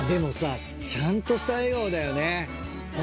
ちゃんとした笑顔だよね雅紀は。